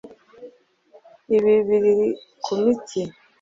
Ibi biri kumitsi